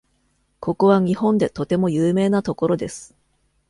ここは日本でとても有名な所です。